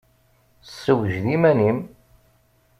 Ssewjed iman-im!